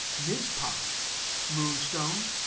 MIZPAH Moonstone.